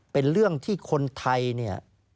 เป็นเรื่องที่คนไทยเนี่ย